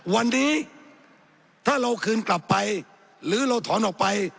วันนี้ถ้าเราคืนกลับไปหรือเราถอนออกไป